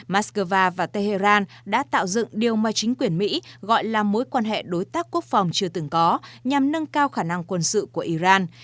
moscow và tehran đã tạo dựng điều mà chính quyền mỹ gọi là mối quan hệ đối tác quốc phòng chưa từng có nhằm nâng cao khả năng quân sự của iran